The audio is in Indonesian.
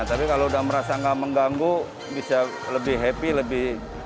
tapi kalau udah merasa nggak mengganggu bisa lebih happy lebih